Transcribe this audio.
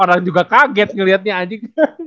orang juga kaget ngeliatnya anjing